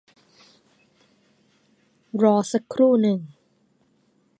รอสักครู่หนึ่ง